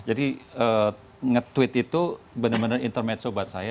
jadi nge tweet itu bener bener intermezzo buat saya